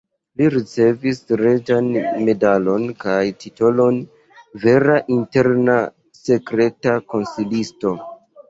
Li ricevis reĝan medalon kaj titolon "vera interna sekreta konsilisto".